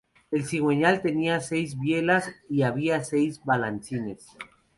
El cigüeñal tenía seis bielas y había seis balancines.